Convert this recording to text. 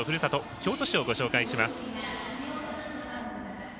京都市をご紹介します。